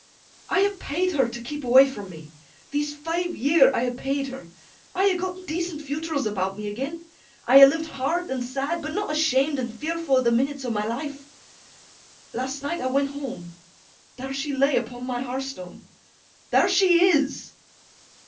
'I ha' paid her to keep awa' fra' me. These five year I ha' paid her. I ha' gotten decent fewtrils about me agen. I ha' lived hard and sad, but not ashamed and fearfo' a' the minnits o' my life. Last night, I went home. There she lay upon my har stone! There she is!